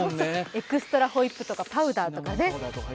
エクストラホイップとかパウダーとかね。